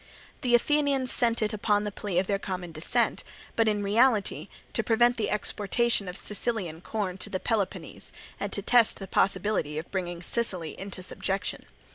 The Athenians sent it upon the plea of their common descent, but in reality to prevent the exportation of Sicilian corn to Peloponnese and to test the possibility of bringing Sicily into subjection.